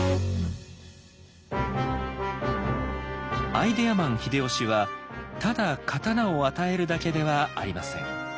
アイデアマン秀吉はただ刀を与えるだけではありません。